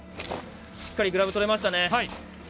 しっかりグラブとれました。